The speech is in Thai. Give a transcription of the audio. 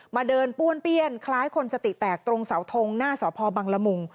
เดินป้วนเปี้ยนคล้ายคนสติแตกตรงเสาทงหน้าสพบังละมุง